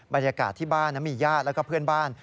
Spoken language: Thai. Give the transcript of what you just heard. บรรยากาศที่บ้านมีญาติแล้วก็เพื่อนบ้าน